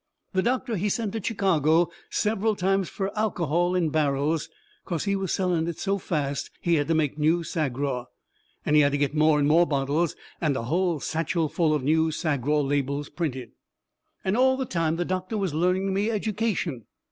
The doctor, he sent to Chicago several times fur alcohol in barrels, 'cause he was selling it so fast he had to make new Sagraw. And he had to get more and more bottles, and a hull satchel full of new Sagraw labels printed. And all the time the doctor was learning me education.